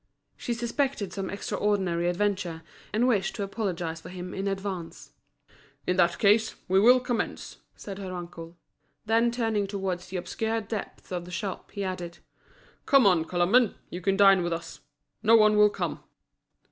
She suspected some extraordinary adventure, and wished to apologise for him in advance. "In that case, we will commence," said her uncle. Then turning towards the obscure depths of the shop, he added: "Come on, Colomban, you can dine with us. No one will come."